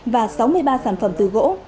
và sáu mươi ba sản phẩm từ gỗ